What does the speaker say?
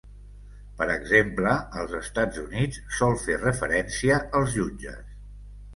Per exemple, als Estats Units sol fer referència als jutges.